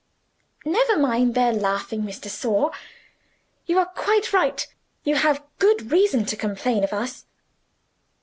"Never mind their laughing, Miss de Sor. You are quite right, you have good reason to complain of us."